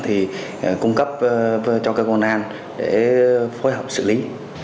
thì cung cấp cho cơ quan an để phối hợp xử lý